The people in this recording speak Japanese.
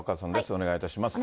お願いいたします。